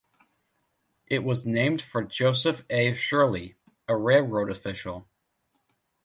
It was named for Joseph A. Shirley, a railroad official.